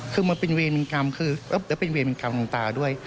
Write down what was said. คือมันเป็นเวรเป็นกรรมคือแล้วเป็นเวรเป็นกรรมของตาด้วย